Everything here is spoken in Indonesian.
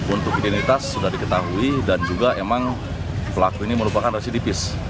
untuk identitas sudah diketahui dan juga emang pelaku ini merupakan residipis